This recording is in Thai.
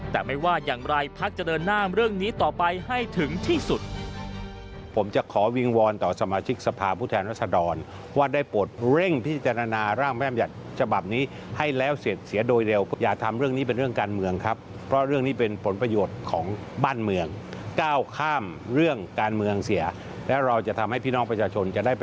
แต่ไม่ว่ายังไหลภาครังจริงหน้าเรื่องนี้ต่อไปให้ถึงที่สุด